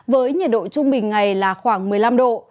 với nhiệt độ trung bình ngày là khoảng một mươi năm độ